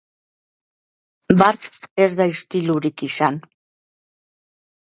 Bart ez da istilurik izan.